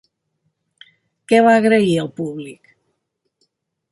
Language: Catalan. Què va agrair el públic?